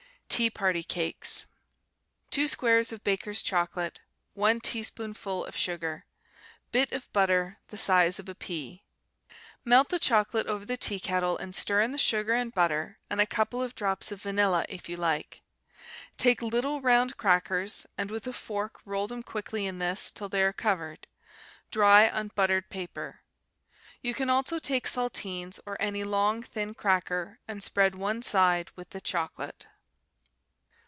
Tea party Cakes 2 squares of Baker's chocolate. 1 teaspoonful of sugar. Bit of butter the size of a pea. Melt the chocolate over the teakettle and stir in the sugar and butter and a couple of drops of vanilla, if you like. Take little round crackers, and with a fork roll them quickly in this till they are covered; dry on buttered paper. You can also take saltines, or any long, thin cracker, and spread one side with the chocolate.